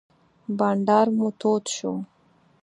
بانډار مو تود شو.